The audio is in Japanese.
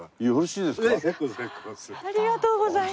ありがとうございます。